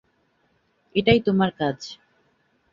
এটাই তোমার কাজ।